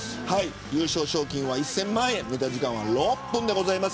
優勝賞金は１０００万円ネタ時間は６分です。